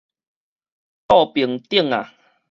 倒爿頂仔